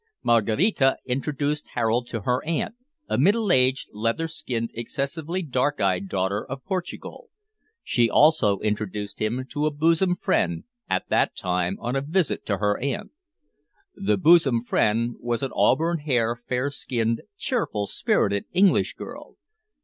Maraquita introduced Harold to her aunt, a middle aged, leather skinned, excessively dark eyed daughter of Portugal. She also introduced him to a bosom friend, at that time on a visit to her aunt. The bosom friend was an auburn haired, fair skinned, cheerful spirited English girl.